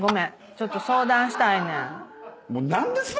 ちょっと相談したいねん。